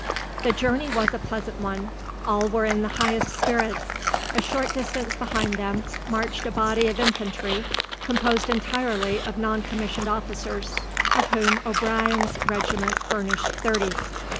The journey was a pleasant one. All were in the highest spirits. A short distance behind them marched a body of infantry, composed entirely of noncommissioned officers, of whom O'Brien's regiment furnished thirty.